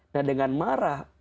nah dengan marah